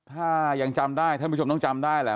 ถ้ายังจำได้ท่านผู้ชมต้องจำได้แหละ